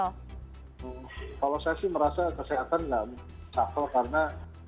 kalau saya sih merasa kesehatan nggak reshuffle karena